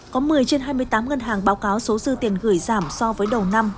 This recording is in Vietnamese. có một mươi trên hai mươi tám ngân hàng báo cáo số dư tiền gửi giảm so với đầu năm